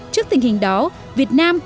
trước tình hình đó việt nam